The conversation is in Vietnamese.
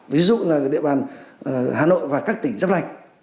ví dụ là địa bàn hà nội và các tỉnh giáp